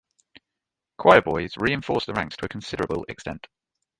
Choirboys reinforce the ranks to a considerable extent.